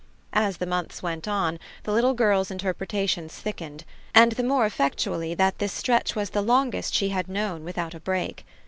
As the months went on the little girl's interpretations thickened, and the more effectually that this stretch was the longest she had known without a break.